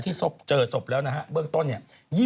ที่เจอศพแล้วนะฮะเบื้องต้นเนี่ย